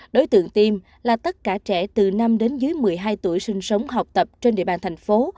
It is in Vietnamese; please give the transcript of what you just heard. đối tượng tiêm là tất cả trẻ từ năm đến dưới một mươi hai tuổi sinh sống học tập trên địa bàn thành phố